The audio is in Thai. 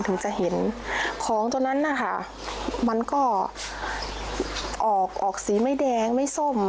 ถึงจะเห็นของตัวนั้นนะคะมันก็ออกออกสีไม่แดงไม่ส้ม